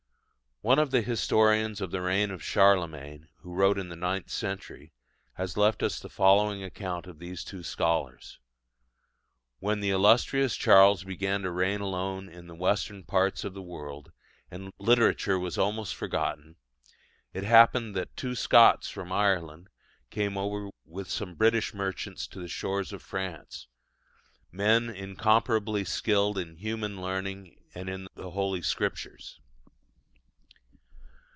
One of the historians of the reign of Charlemagne, who wrote in the ninth century, has left us the following account of these two scholars: When the illustrious Charles began to reign alone in the western parts of the world, and literature was almost forgotten, it happened that two Scots from Ireland came over with some British merchants to the shores of France, men incomparably skilled in human learning and in the Holy Scriptures.